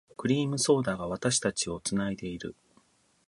クリームソーダが、私たちを繋いでいる。